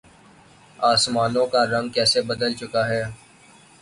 آسمانوں کا رنگ کیسے بدل چکا ہے۔